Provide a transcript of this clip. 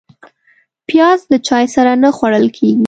پیاز د چای سره نه خوړل کېږي